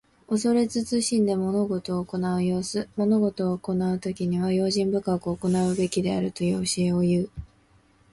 恐れ慎んで物事を行う様子。物事を行うときには、用心深く行うべきであるという教えをいう。